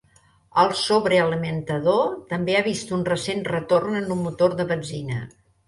El sobrealimentador també ha vist un recent retorn en un motor de benzina.